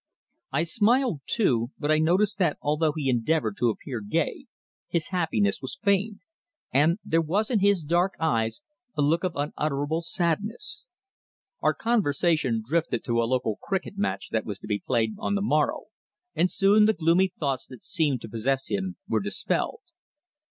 I smiled too, but I noticed that although he endeavoured to appear gay, his happiness was feigned, and there was in his dark eyes a look of unutterable sadness. Our conversation drifted to a local cricket match that was to be played on the morrow, and soon the gloomy thoughts that seemed to possess him were dispelled.